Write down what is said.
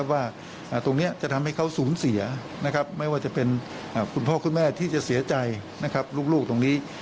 ว่าตรงนี้จะทำให้เขาสูญเสียไม่ว่าจะเป็นคุณพ่อคุณแม่ที่จะเสียใจลูกตรงนี้